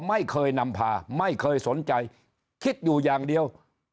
ไม่เคยนำพาไม่เคยสนใจคิดอยู่อย่างเดียว